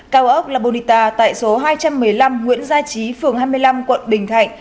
cao ốc labonita tại số hai trăm một mươi năm nguyễn gia trí phường hai mươi năm quận bình thạnh